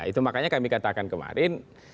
itu makanya kami katakan kemarin